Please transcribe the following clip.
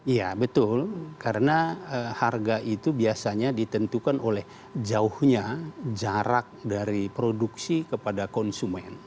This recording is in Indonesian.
iya betul karena harga itu biasanya ditentukan oleh jauhnya jarak dari produksi kepada konsumen